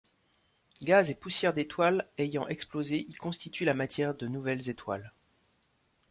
Gaz et poussières d'étoiles ayant explosé y constituent la matière de nouvelles étoiles.